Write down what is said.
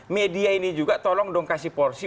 media ini juga tolong dong kasih porsi